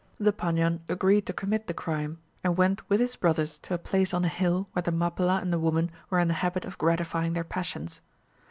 The Paniyan agreed to commit the crime, and went with his brothers to a place on a hill, where the Mappilla and the woman were in the habit of gratifying their passions.